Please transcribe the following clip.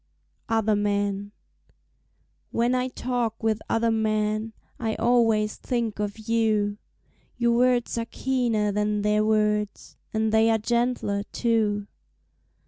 Other Men When I talk with other men I always think of you Your words are keener than their words, And they are gentler, too.